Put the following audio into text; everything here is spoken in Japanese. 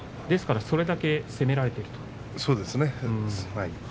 ですからそれだけ攻められているということですね。